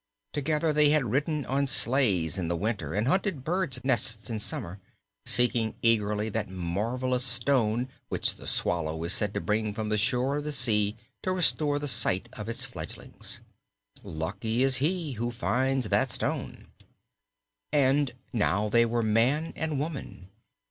Together they had ridden on sledges in winter and hunted birds' nests in summer, seeking eagerly that marvellous stone which the swallow is said to bring from the shore of the sea to restore the sight of its fledglings. Lucky is he who finds that stone! And now they were man and woman.